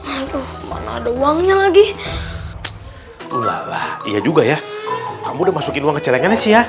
aduh mana ada uangnya lagi iya juga ya kamu udah masukin uang kecerengannya sih ya